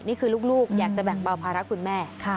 นี่คือลูกอยากจะแบ่งเบาภาระคุณแม่